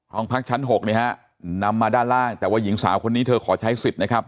ห้องพักชั้น๖เนี่ยฮะนำมาด้านล่างแต่ว่าหญิงสาวคนนี้เธอขอใช้สิทธิ์นะครับ